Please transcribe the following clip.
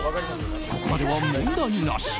ここまでは問題なし。